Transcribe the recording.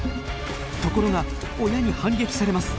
ところが親に反撃されます。